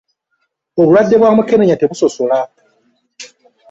Obulwadde bwa mukenenya tebusosola.